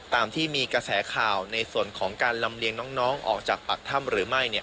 ตามที่มีกระแสข่าวในส่วนของการลำเลียงน้องออกจากปากถ้ำหรือไม่